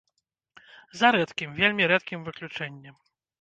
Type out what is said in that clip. За рэдкім, вельмі рэдкім выключэннем.